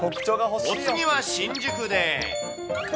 お次は新宿で。